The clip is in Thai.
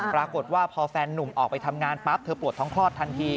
ปรากฏว่าพอแฟนหนุ่มออกไปทำงานปั๊บเธอปวดท้องคลอดทันที